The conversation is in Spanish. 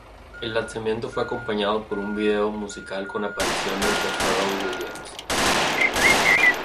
El lanzamiento fue acompañado por un video musical con apariciones de Pharrell Williams.